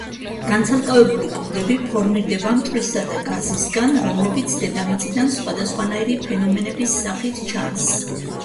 განცალკევებული კუდები ფორმირდება მტვრისა და გაზისგან, რომლებიც დედამიწიდან სხვადასხვანაირი ფენომენების სახით ჩანს.